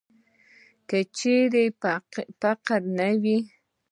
چیرې چې فقر نه وي.